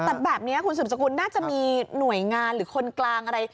แต่แบบนี้คุณสืบสกุลน่าจะมีหน่วยงานหรือคนกลางอะไร